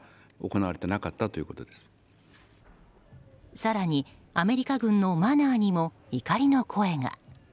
更に、アメリカ軍のマナーにも怒りの声が。